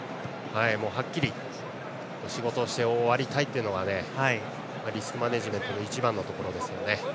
はっきり仕事をして終わりたいというのはリスクマネージメントの一番のところですね。